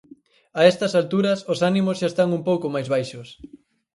A estas alturas os ánimos xa están un pouco máis baixos.